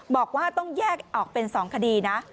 บอกว่าต้องแยกออกเป็น๒คดีนะ